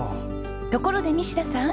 ところで西田さん。